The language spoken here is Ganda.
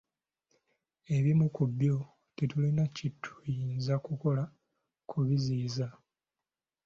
Ebimu ku byo tetulina kyetuyinza kukola kubiziyiza